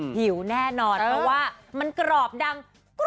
หิวแน่นอนเพราะว่ามันกรอบดัง